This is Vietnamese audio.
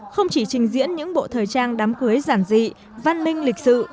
không chỉ trình diễn những bộ thời trang đám cưới giản dị văn minh lịch sự